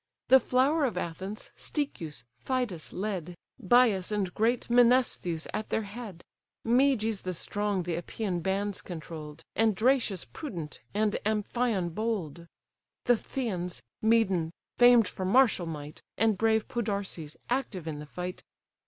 The flower of Athens, Stichius, Phidas, led; Bias and great Menestheus at their head: Meges the strong the Epaean bands controll'd, And Dracius prudent, and Amphion bold: The Phthians, Medon, famed for martial might, And brave Podarces, active in the fight.